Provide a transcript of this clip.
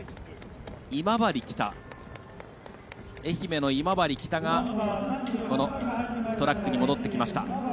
愛媛の今治北がトラックに戻ってきました。